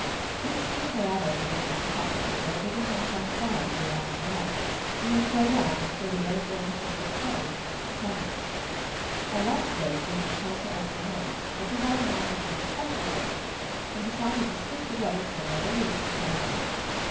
This was a bad opening with the company but everything went on quietly after that, and we played on until the airdrome circuit closed in September. Our last date was in Tulsa, Oklahoma, but we got an offer for a special date, and decided to stick together for another week to play that.